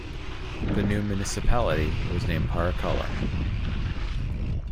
The new municipality was named Parikkala.